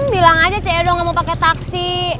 bilang aja ce udah nggak mau pakai taksi